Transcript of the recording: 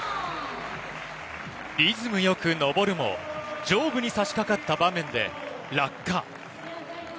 リズム良く登るも上部に差し掛かった場面で落下。